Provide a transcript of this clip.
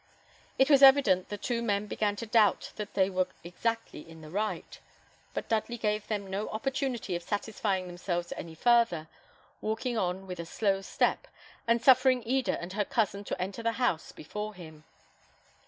It was evident the two men began to doubt that they were exactly in the right; but Dudley gave them no opportunity of satisfying themselves any farther, walking on with a slow step, and suffering Eda and her cousin to enter the house before him.